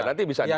nanti bisa dicek